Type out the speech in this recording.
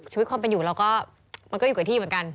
ชีวิตความเป็นอยู่เราก็มันก็อยู่กับที่เหมือนกัน